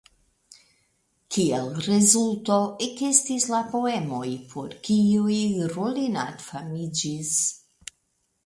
Kiel rezulto ekestis la poemoj por kiuj Rollinat famiĝis.